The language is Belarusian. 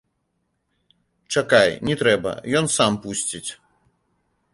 Чакай, не трэба, ён сам пусціць.